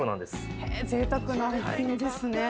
へぇぜいたくな一品ですね。